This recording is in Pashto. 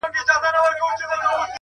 • ماته دي د سر په بيه دوه جامه راکړي دي،